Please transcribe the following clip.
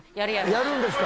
やるんですか？